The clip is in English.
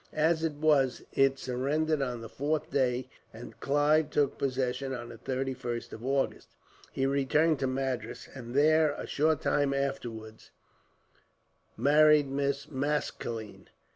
As it was, it surrendered on the fourth day, and Clive took possession on the 31st of August. He returned to Madras, and there, a short time afterwards, married Miss Maskelyne.